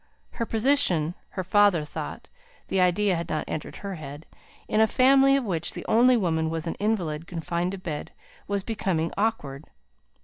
Her position (her father thought the idea had not entered her head) in a family of which the only woman was an invalid confined to bed, was becoming awkward.